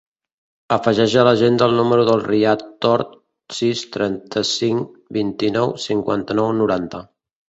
Afegeix a l'agenda el número del Riad Tort: sis, trenta-cinc, vint-i-nou, cinquanta-nou, noranta.